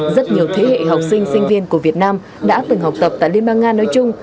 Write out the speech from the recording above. rất nhiều thế hệ học sinh sinh viên của việt nam đã từng học tập tại liên bang nga nói chung